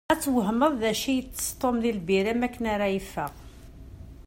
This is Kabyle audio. Ad twehmeḍ d acu itess Tom d lbira makken ara yeffeɣ.